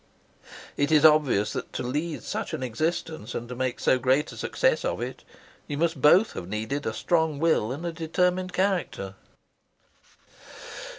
"It is obvious that to lead such an existence and make so great a success of it, you must both have needed a strong will and a determined character."